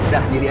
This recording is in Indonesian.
udah diri ya